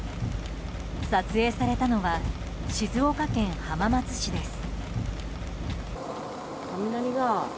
撮影されたのは静岡県浜松市です。